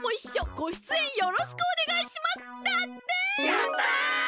やった！